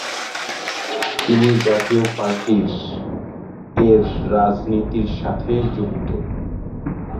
তিনি জাতীয় পার্টির এর রাজনীতির সাথে যুক্ত।